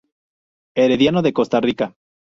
Herediano de Costa Rica.